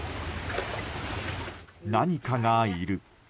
何かがいる。